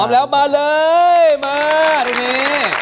พร้อมแล้วมาเลยมาด้วยนี้